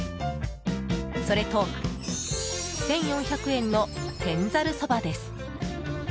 それと１４００円の天ざるそばです。